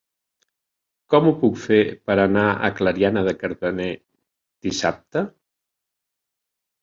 Com ho puc fer per anar a Clariana de Cardener dissabte?